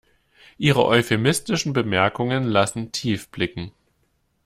Ihre euphemistischen Bemerkungen lassen tief blicken.